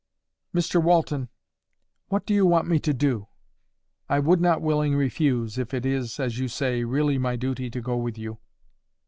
"Mr Walton, what do you want me to do? I would not willing refuse, if it is, as you say, really my duty to go with you."